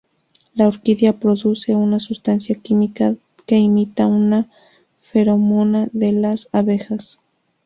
La orquídea produce una sustancia química que imita a una feromona de las abejas.